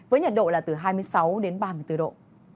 với nhiệt độ là từ hai mươi sáu đến ba mươi bốn độ